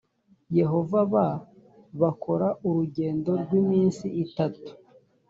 yehova b bakora urugendo rw iminsi itatu